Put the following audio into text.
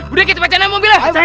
budi kita pacarin aja mobilnya